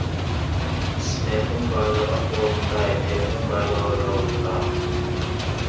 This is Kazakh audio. Ісмердің байлығы қолында, ердің байлығы жолында.